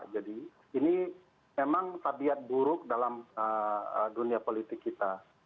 jadi ini memang tabiat buruk dalam dunia politik kita